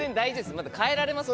まだ変えられますから。